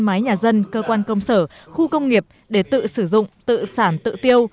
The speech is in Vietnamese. mái nhà dân cơ quan công sở khu công nghiệp để tự sử dụng tự sản tự tiêu